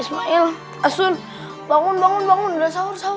ismail asun bangun bangun bangun udah sahur sahur